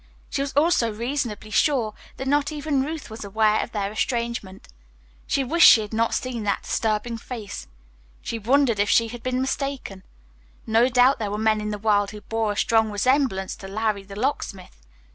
She was also reasonably sure that not even Ruth was aware of their estrangement. She wished she had not seen that disturbing face. She wondered if she had been mistaken. No doubt there were men in the world who bore a strong resemblance to "Larry, the Locksmith."